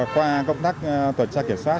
qua công tác tuần tra kiểm soát